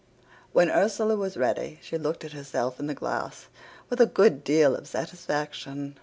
"When Ursula was ready she looked at herself in the glass with a good deal of satisfaction.